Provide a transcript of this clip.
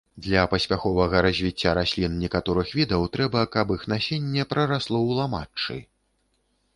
Для паспяховага развіцця раслін некаторых відаў трэба, каб іх насенне прарасло ў ламаччы.